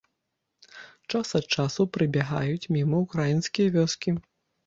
Час ад часу прабягаюць міма ўкраінскія вёскі.